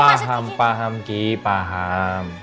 paham paham ki paham